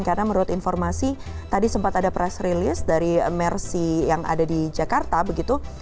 karena menurut informasi tadi sempat ada press release dari mersi yang ada di jakarta begitu